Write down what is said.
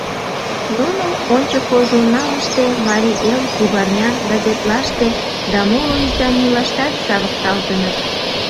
Нуно «Ончыко» журналыште, «Марий Эл», «Кугарня» газетлаште да моло изданийлаштат савыкталтыныт.